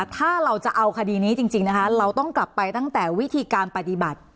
ถ้าเราจะเอาคดีนี้จริงนะคะเราต้องกลับไปตั้งแต่วิธีการปฏิบัติ